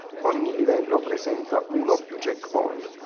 Ogni livello presenta uno o più checkpoint.